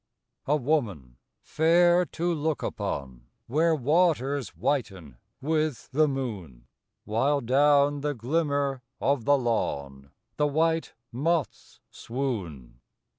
I. A woman, fair to look upon, Where waters whiten with the moon; While down the glimmer of the lawn The white moths swoon.